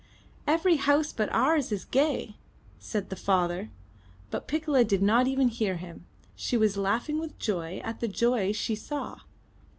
* 'Every house but ours is gay,*' said the father. But Piccola did not even hear him. She was laughing with joy at the joy she saw.